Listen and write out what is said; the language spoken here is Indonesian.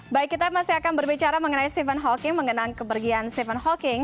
baik kita masih akan berbicara mengenai stephen hawking mengenang kepergian stephen hawking